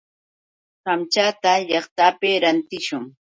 Kamchata llaqtapi rantishun.